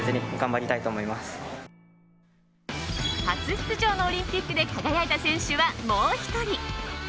初出場のオリンピックで輝いた選手は、もう１人。